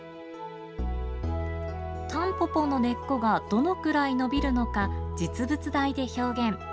たんぽぽの根っこがどのくらい伸びるのか、実物大で表現。